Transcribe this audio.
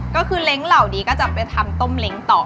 ก็คือเล้งเหล่านี้ก็จะไปทำต้มเล้งต่อ